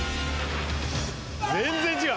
「全然違う！」